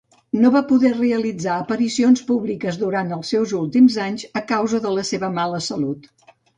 No va poder realitzar aparicions públiques durant els seus últims anys a causa de la seva mala salut.